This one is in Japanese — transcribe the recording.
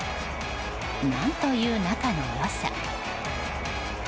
何という仲の良さ。